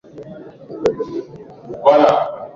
Majaribio ya kulia kwa sauti bila mafanikio